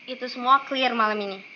itu semua clear malam ini